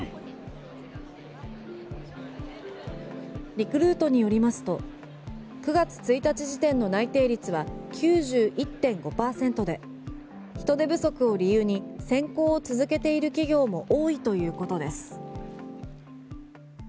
リクルートによりますと９月１日時点の内定率は９１．５％で人手不足を理由に選考を続けている企業も多いということです。